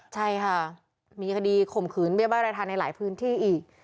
ใช่ค่ะมีคดีข่มขืนเบี้ยบ้ารายทานในหลายพื้นที่อีก